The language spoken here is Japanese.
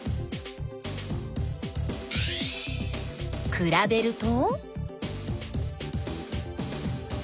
くらべると？